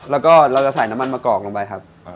แล้วก็เราจะใส่น้ำมันมะกอกลงไปครับ